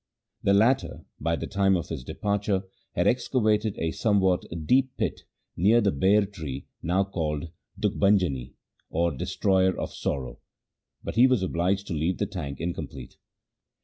The latter, by the time of his departure, had excavated a somewhat deep pit near the ber tree now called Dukhbhanjani, or destroyer of sorrow, but he was obliged to leave the tank incomplete.